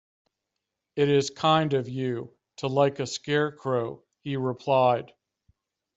"It is kind of you to like a Scarecrow," he replied.